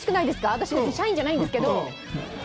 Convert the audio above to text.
私、社員じゃないんですけど。